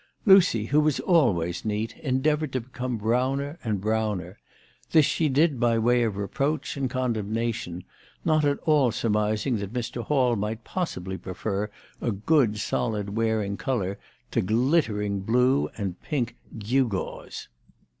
Lucy, who was always neat, endeavoured to become browner and browner. This she did by way of reproach and con demnation, not at all surmising that Mr. Hall might possibly prefer a good solid wearing colour to glitter ing blue and pink gewgaws.